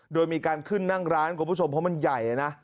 โดยมีการขึ้นนั่งร้านคุณผู้ชมเพราะมันใหญ่นะ